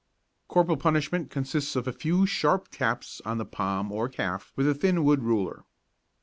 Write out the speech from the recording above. Corporal punishment consists of a few sharp taps on the palm or calf with a thin wood ruler.